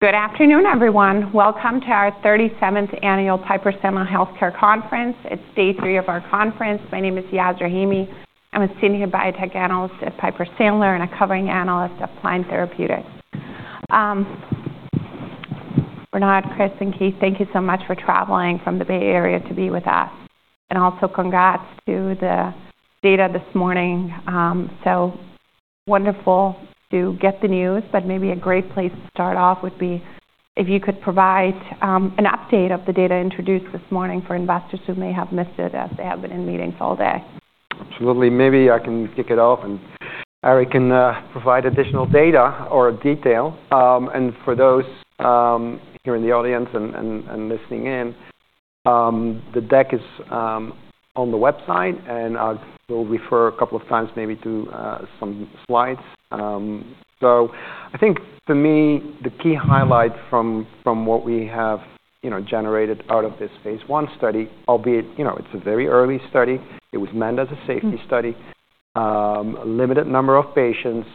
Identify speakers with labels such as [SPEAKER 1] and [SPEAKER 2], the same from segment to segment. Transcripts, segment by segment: [SPEAKER 1] Good afternoon, everyone. Welcome to our 37th Annual Piper Sandler Healthcare Conference. It's day three of our conference. My name is Yaz Rahimi. I'm a Senior Biotech Analyst at Piper Sandler and a Covering Analyst on Pliant Therapeutics. Bernard, Chris, and Keith, thank you so much for traveling from the Bay Area to be with us. And also, congrats to the data this morning. So wonderful to get the news, but maybe a great place to start off would be if you could provide an update of the data introduced this morning for investors who may have missed it as they have been in meetings all day.
[SPEAKER 2] Absolutely. Maybe I can kick it off and Eric can provide additional data or detail. And for those here in the audience and listening in, the deck is on the website, and I will refer a couple of times maybe to some slides. I think for me, the key highlight from what we have, you know, generated out of this Phase 1 study, albeit, you know, it's a very early study. It was meant as a safety study, limited number of patients,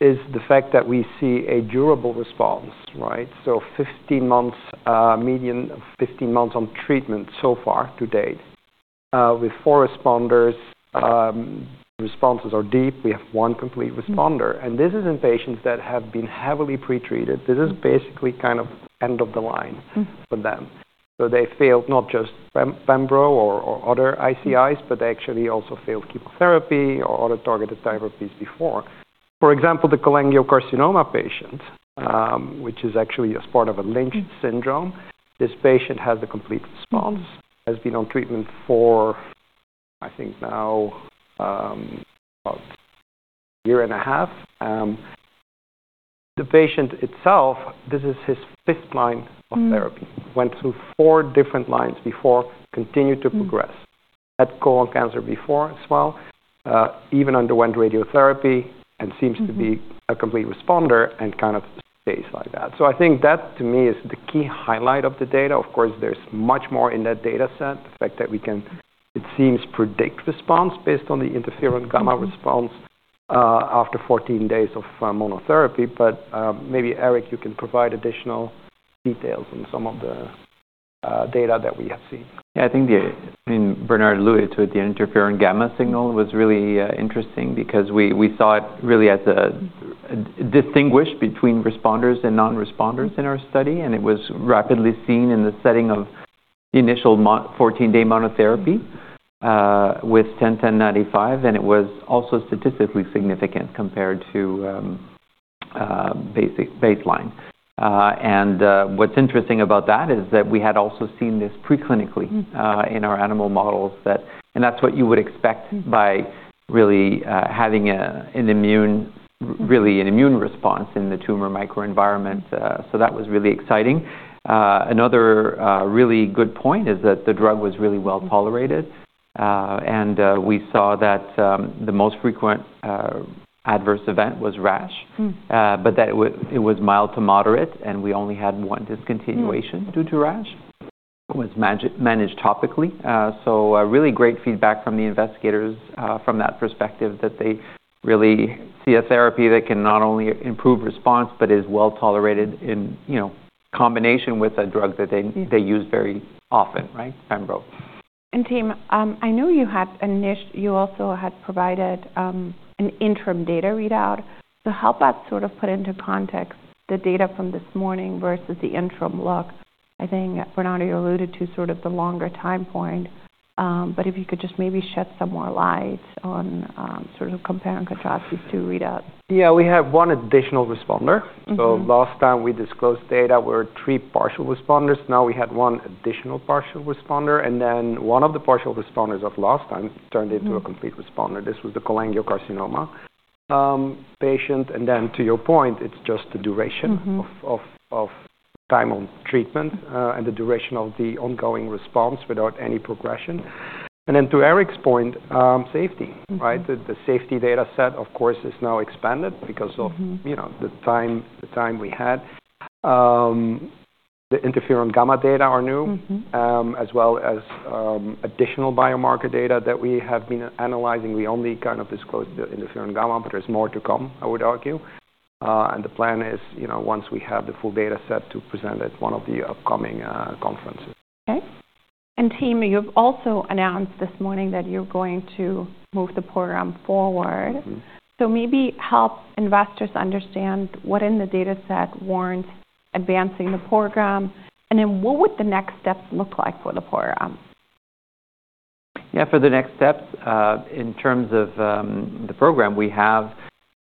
[SPEAKER 2] is the fact that we see a durable response, right? 15 months, median 15 months on treatment so far to date, with four responders. Responses are deep. We have one complete responder. This is in patients that have been heavily pretreated. This is basically kind of end of the line for them. So they failed not just Pembro or, or other ICIs, but they actually also failed chemotherapy or other targeted therapies before. For example, the cholangiocarcinoma patient, which is actually as part of a Lynch syndrome, this patient has a complete response, has been on treatment for, I think now, about a year and a half. The patient itself, this is his fifth line of therapy. Went through four different lines before, continued to progress. Had colon cancer before as well, even underwent radiotherapy and seems to be a complete responder and kind of stays like that. So I think that to me is the key highlight of the data. Of course, there's much more in that data set, the fact that we can, it seems, predict response based on the interferon gamma response, after 14 days of, monotherapy. Maybe Eric, you can provide additional details on some of the data that we have seen.
[SPEAKER 3] Yeah, I think the. I mean, Bernard alluded to it. The interferon gamma signal was really interesting because we saw it really as a distinguisher between responders and non-responders in our study. It was rapidly seen in the setting of initial 14-day monotherapy with 101095. It was also statistically significant compared to baseline. What's interesting about that is that we had also seen this preclinically in our animal models. That's what you would expect by really having an immune response in the tumor microenvironment. That was really exciting. Another really good point is that the drug was really well tolerated. We saw that the most frequent adverse event was rash, but that it was mild to moderate, and we only had one discontinuation due to rash. It was managed topically. So, really great feedback from the investigators, from that perspective that they really see a therapy that can not only improve response but is well tolerated in, you know, combination with a drug that they use very often, right? Pembro.
[SPEAKER 1] And team, I know you had initially, you also had provided, an interim data readout. So help us sort of put into context the data from this morning versus the interim look. I think, Bernard, you alluded to sort of the longer time point. But if you could just maybe shed some more light on, sort of comparing and contrasting these readouts.
[SPEAKER 2] Yeah, we have one additional responder. So last time we disclosed data, we were three partial responders. Now we had one additional partial responder. And then one of the partial responders of last time turned into a complete responder. This was the cholangiocarcinoma patient. And then to your point, it's just the duration of time on treatment, and the duration of the ongoing response without any progression. And then to Eric's point, safety, right? The safety data set, of course, is now expanded because of, you know, the time we had. The interferon gamma data are new, as well as additional biomarker data that we have been analyzing. We only kind of disclosed the interferon gamma, but there's more to come, I would argue, and the plan is, you know, once we have the full data set to present at one of the upcoming conferences.
[SPEAKER 1] Okay. And team, you've also announced this morning that you're going to move the program forward. So maybe help investors understand what in the data set warrants advancing the program. And then what would the next steps look like for the program?
[SPEAKER 3] Yeah, for the next steps in terms of the program,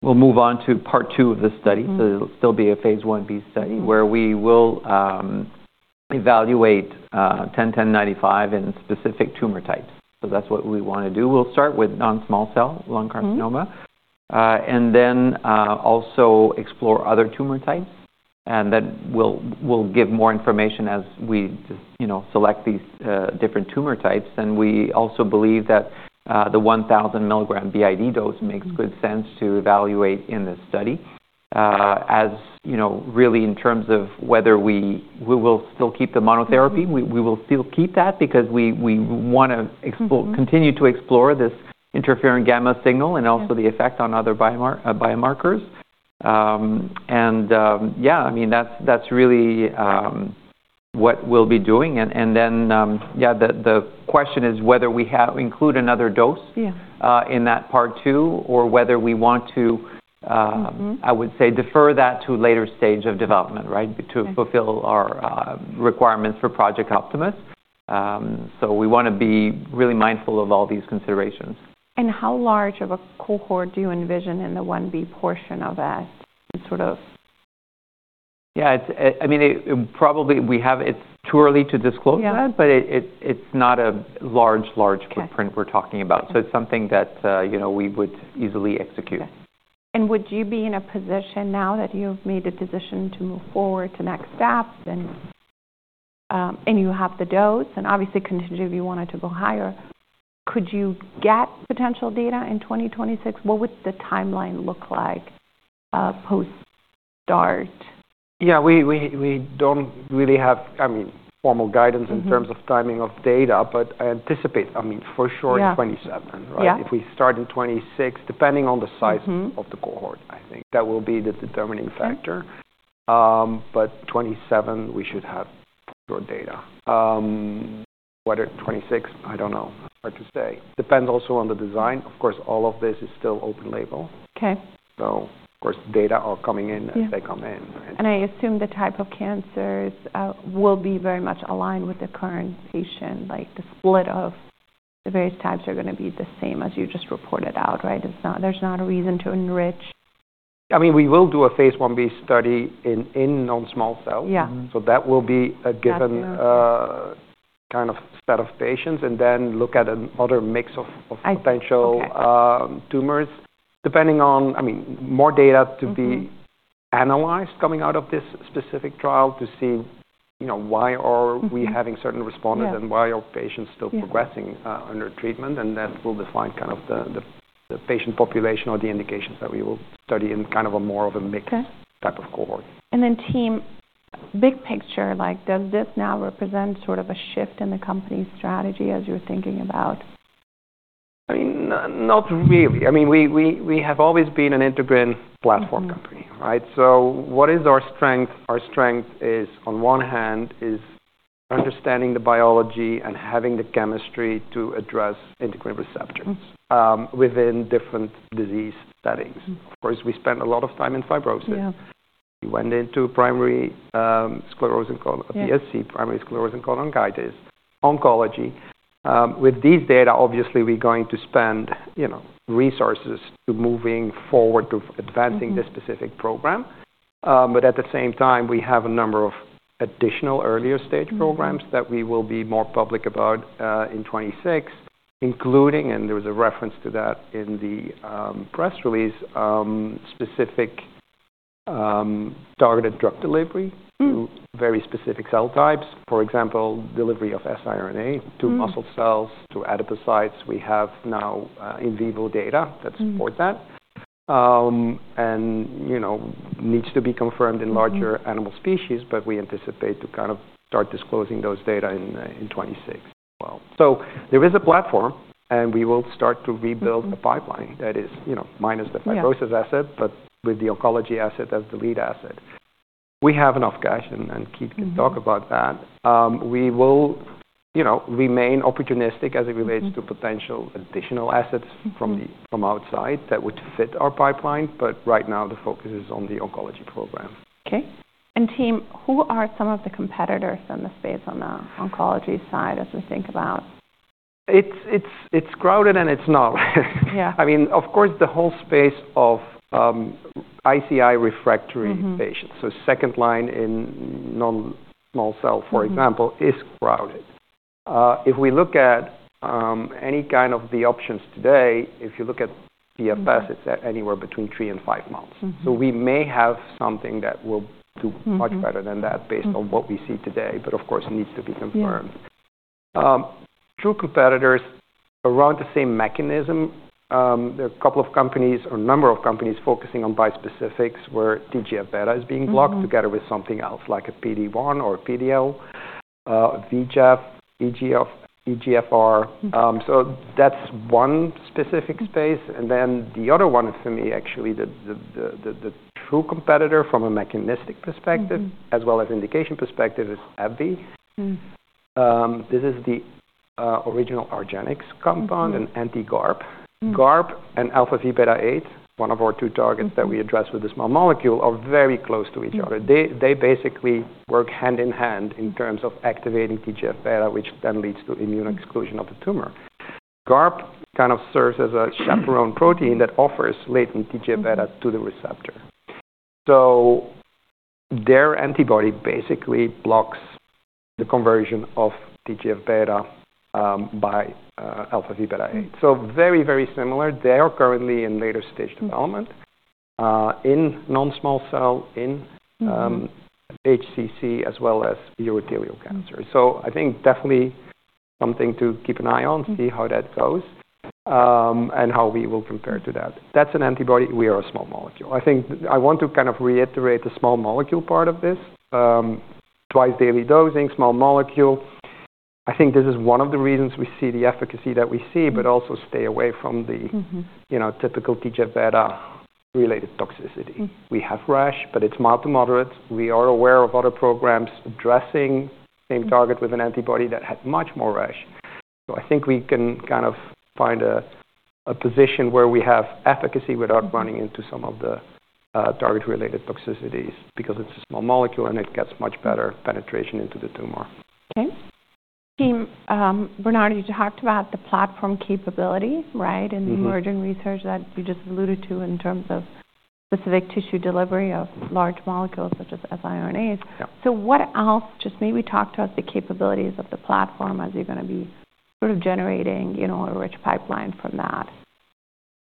[SPEAKER 3] we'll move on to part two of the study. So it'll still be a Phase 1b study where we will evaluate 101095 and specific tumor types. So that's what we wanna do. We'll start with non-small cell lung carcinoma and then also explore other tumor types. Then we'll give more information as we just you know select these different tumor types. We also believe that the 1,000-milligram BID dose makes good sense to evaluate in this study as you know really in terms of whether we will still keep the monotherapy. We will still keep that because we wanna continue to explore this interferon gamma signal and also the effect on other biomarkers. Yeah, I mean, that's really what we'll be doing. Then, yeah, the question is whether we have to include another dose.
[SPEAKER 1] Yeah.
[SPEAKER 3] in that part two or whether we want to, I would say defer that to a later stage of development, right? To fulfill our requirements for Project Optimus. So we wanna be really mindful of all these considerations.
[SPEAKER 1] How large of a cohort do you envision in the 1b portion of that sort of?
[SPEAKER 3] Yeah, it's, I mean, it's not a large footprint we're talking about. So it's something that, you know, we would easily execute.
[SPEAKER 1] Would you be in a position now that you've made a decision to move forward to next steps and, you have the dose and obviously continue if you wanted to go higher, could you get potential data in 2026? What would the timeline look like, post-start?
[SPEAKER 2] Yeah, we don't really have, I mean, formal guidance in terms of timing of data, but I anticipate, I mean, for sure in 2027, right? If we start in 2026, depending on the size of the cohort, I think that will be the determining factor. But 2027 we should have your data. Whether 2026, I don't know. Hard to say. Depends also on the design. Of course, all of this is still open label.
[SPEAKER 1] Okay.
[SPEAKER 2] So of course data are coming in as they come in.
[SPEAKER 1] I assume the type of cancers will be very much aligned with the current patient, like the split of the various types are gonna be the same as you just reported out, right? It's not. There's not a reason to enrich.
[SPEAKER 2] I mean, we will do a Phase 1b study in non-small cell.
[SPEAKER 1] Yeah.
[SPEAKER 2] So that will be a given, kind of set of patients and then look at another mix of, of potential, tumors depending on, I mean, more data to be analyzed coming out of this specific trial to see, you know, why are we having certain responders and why are patients still progressing, under treatment. And that will define kind of the, the, the patient population or the indications that we will study in kind of a more of a mix type of cohort.
[SPEAKER 1] Then, team, big picture, like, does this now represent sort of a shift in the company's strategy as you're thinking about?
[SPEAKER 2] I mean, not really. I mean, we have always been an integrin platform company, right? So what is our strength? Our strength is on one hand is understanding the biology and having the chemistry to address integrin receptors, within different disease settings. Of course, we spend a lot of time in fibrosis.
[SPEAKER 1] Yeah.
[SPEAKER 2] We went into primary sclerosing cholangitis, PSC, oncology with these data. Obviously we're going to spend, you know, resources to moving forward to advancing this specific program, but at the same time, we have a number of additional earlier stage programs that we will be more public about in 2026, including, and there was a reference to that in the press release, specific targeted drug delivery to very specific cell types. For example, delivery of siRNA to muscle cells, to adipocytes. We have now in vivo data that support that, and, you know, needs to be confirmed in larger animal species, but we anticipate to kind of start disclosing those data in 2026 as well, so there is a platform and we will start to rebuild the pipeline that is, you know, minus the fibrosis asset, but with the oncology asset as the lead asset. We have enough cash and Keith can talk about that. We will, you know, remain opportunistic as it relates to potential additional assets from outside that would fit our pipeline. But right now the focus is on the oncology program.
[SPEAKER 1] Okay. And team, who are some of the competitors in the space on the oncology side as we think about?
[SPEAKER 2] It's crowded and it's not.
[SPEAKER 1] Yeah.
[SPEAKER 2] I mean, of course the whole space of ICI refractory patients. So second line in non-small cell, for example, is crowded. If we look at any kind of the options today, if you look at PFS, it's at anywhere between three and five months. So we may have something that will do much better than that based on what we see today. But of course it needs to be confirmed. True competitors around the same mechanism, there are a couple of companies or number of companies focusing on bispecifics where TGF-beta is being blocked together with something else like a PD-1 or a PD-L, VEGF, EGF, EGFR. So that's one specific space. And then the other one for me, actually, the true competitor from a mechanistic perspective as well as indication perspective is AbbVie. This is the original Argenx compound and anti-GARP. GARP and alpha-v beta-8, one of our two targets that we address with the small molecule, are very close to each other. They, they basically work hand in hand in terms of activating TGF-beta, which then leads to immune exclusion of the tumor. GARP kind of serves as a chaperone protein that offers latent TGF-beta to the receptor. So their antibody basically blocks the conversion of TGF-beta, by, alpha-v beta-8. So very, very similar. They are currently in later stage development, in non-small cell, in, HCC as well as urothelial cancer. So I think definitely something to keep an eye on, see how that goes, and how we will compare to that. That's an antibody. We are a small molecule. I think I want to kind of reiterate the small molecule part of this, twice daily dosing, small molecule. I think this is one of the reasons we see the efficacy that we see, but also stay away from the, you know, typical TGF-beta related toxicity. We have rash, but it's mild to moderate. We are aware of other programs addressing same target with an antibody that had much more rash. So I think we can kind of find a position where we have efficacy without running into some of the target-related toxicities because it's a small molecule and it gets much better penetration into the tumor.
[SPEAKER 1] Okay. Team, Bernard, you talked about the platform capability, right? And the emerging research that you just alluded to in terms of specific tissue delivery of large molecules such as siRNAs. So what else, just maybe talk to us the capabilities of the platform as you're gonna be sort of generating, you know, a rich pipeline from that?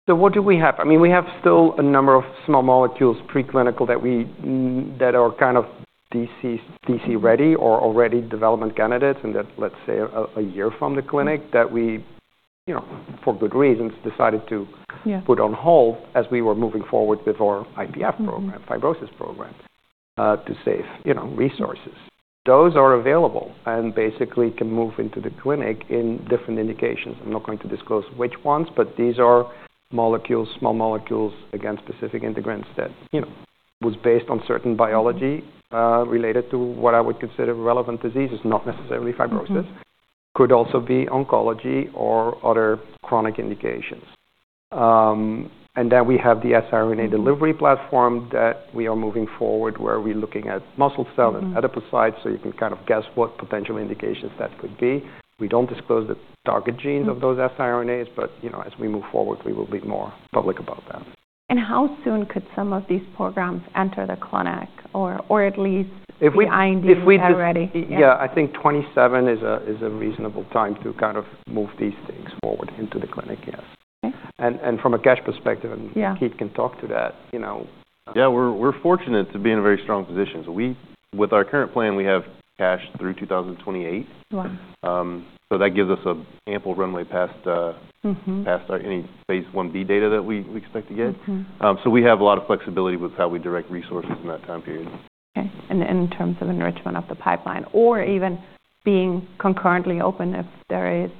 [SPEAKER 2] So what do we have? I mean, we have still a number of small molecules preclinical that are kind of DC ready or already development candidates and that let's say a year from the clinic that we, you know, for good reasons decided to put on hold as we were moving forward with our IPF program, fibrosis program, to save, you know, resources. Those are available and basically can move into the clinic in different indications. I'm not going to disclose which ones, but these are molecules, small molecules against specific integrins that, you know, was based on certain biology, related to what I would consider relevant diseases, not necessarily fibrosis. Could also be oncology or other chronic indications. And then we have the siRNA delivery platform that we are moving forward where we're looking at muscle cell and adipocytes. So you can kind of guess what potential indications that could be. We don't disclose the target genes of those siRNAs, but, you know, as we move forward, we will be more public about that.
[SPEAKER 1] And how soon could some of these programs enter the clinic or, or at least be IND already?
[SPEAKER 2] If we do, yeah, I think 2027 is a reasonable time to kind of move these things forward into the clinic. Yes.
[SPEAKER 1] Okay.
[SPEAKER 2] From a cash perspective, Keith can talk to that, you know.
[SPEAKER 4] Yeah, we're fortunate to be in a very strong position. So we, with our current plan, we have cash through 2028.
[SPEAKER 1] Wow.
[SPEAKER 4] So that gives us an ample runway past any Phase 1b data that we expect to get. So we have a lot of flexibility with how we direct resources in that time period.
[SPEAKER 1] Okay, and in terms of enrichment of the pipeline or even being concurrently open, if there is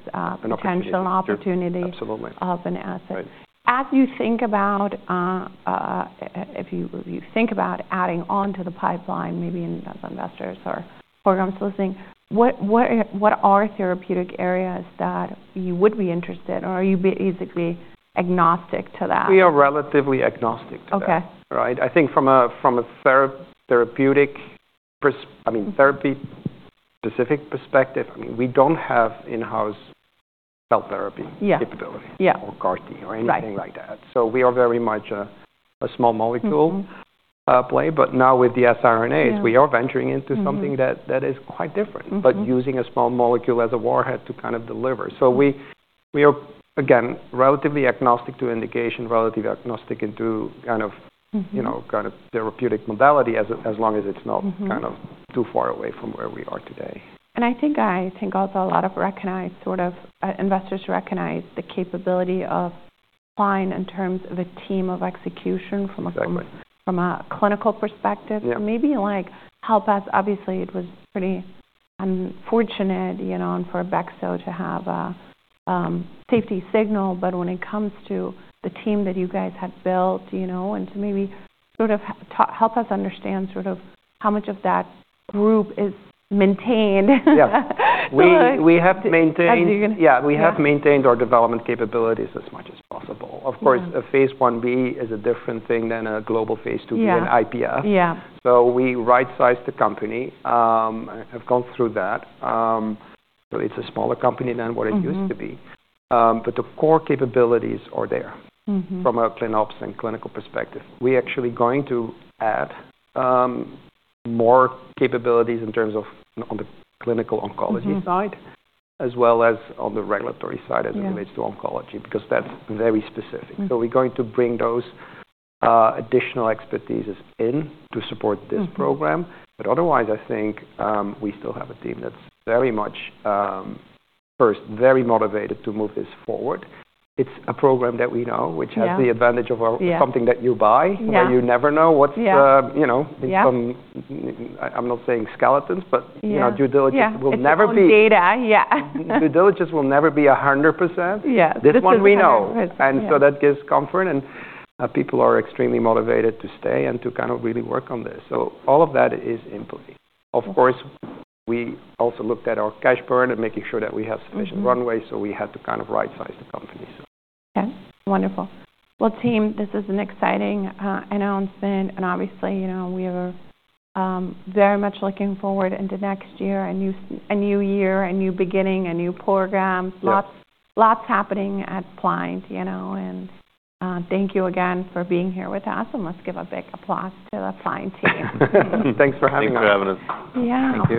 [SPEAKER 1] potential opportunity.
[SPEAKER 4] Absolutely.
[SPEAKER 1] Of an asset. As you think about adding onto the pipeline, maybe investors or programs listing, what are therapeutic areas that you would be interested or are you basically agnostic to that?
[SPEAKER 2] We are relatively agnostic to that.
[SPEAKER 1] Okay.
[SPEAKER 2] Right? I think from a therapeutic perspective, I mean, therapy specific perspective, I mean, we don't have in-house cell therapy capability.
[SPEAKER 1] Yeah. Yeah.
[SPEAKER 2] Or CAR-T or anything like that. So we are very much a small molecule play. But now with the siRNAs, we are venturing into something that is quite different, but using a small molecule as a warhead to kind of deliver. So we are again relatively agnostic to indication, relatively agnostic into kind of, you know, kind of therapeutic modality as long as it's not kind of too far away from where we are today.
[SPEAKER 1] I think, I think also a lot of recognized sort of investors recognize the capability of Pliant in terms of a team of execution from a clinical perspective. Maybe like help us. Obviously it was pretty unfortunate, you know, for Bexo to have a safety signal, but when it comes to the team that you guys had built, you know, and to maybe sort of help us understand sort of how much of that group is maintained.
[SPEAKER 2] Yeah. We have maintained.
[SPEAKER 1] How do you gonna?
[SPEAKER 2] Yeah, we have maintained our development capabilities as much as possible. Of course, a Phase 1b is a different thing than a global Phase 2b and IPF.
[SPEAKER 1] Yeah. Yeah.
[SPEAKER 2] So we right-sized the company. I have gone through that. So it's a smaller company than what it used to be. But the core capabilities are there from a ClinOps and clinical perspective. We actually going to add more capabilities in terms of on the clinical oncology side as well as on the regulatory side as it relates to oncology because that's very specific. So we're going to bring those additional expertise in to support this program. But otherwise I think we still have a team that's very much first very motivated to move this forward. It's a program that we know, which has the advantage of something that you buy and you never know what's you know in some I'm not saying skeletons but you know due diligence will never be.
[SPEAKER 1] Yeah.
[SPEAKER 2] Due diligence will never be 100%.
[SPEAKER 1] Yeah.
[SPEAKER 2] This one we know, and so that gives comfort and people are extremely motivated to stay and to kind of really work on this, so all of that is in place. Of course, we also looked at our cash burn and making sure that we have sufficient runway, so we had to kind of right-size the company.
[SPEAKER 1] Okay. Wonderful. Well, team, this is an exciting announcement. Obviously, you know, we are very much looking forward into next year, a new year, a new beginning, a new program, lots happening at Pliant, you know. Thank you again for being here with us and let's give a big applause to the Pliant team.
[SPEAKER 3] Thanks for having us.
[SPEAKER 1] Yeah.